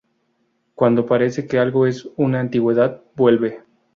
Cuando parece que algo es una antigüedad, vuelve.